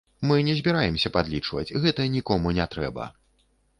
Мы не збіраемся падлічваць, гэта нікому не трэба.